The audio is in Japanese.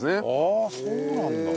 ああそうなんだ。